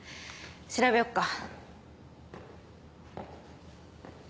調べよっか。